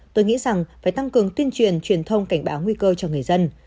tôi nghĩ rằng phải tăng cường tuyên truyền truyền thông cảnh báo nguy cơ cho người dân